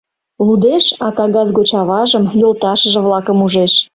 Лудеш, а кагаз гоч аважым, йолташыже-влакым ужеш.